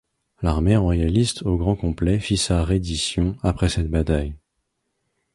L'armée royaliste au grand complet fit sa reddition après cette bataille.